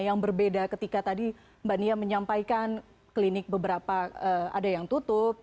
yang berbeda ketika tadi mbak nia menyampaikan klinik beberapa ada yang tutup